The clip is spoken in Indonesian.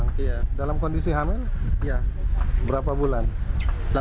kalau di sana di tempatnya